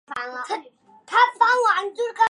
微睾短腺吸虫为双腔科短腺属的动物。